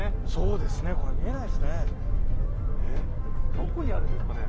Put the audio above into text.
どこにあるんですかね。